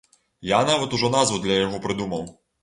Я нават ужо назву для яго прыдумаў!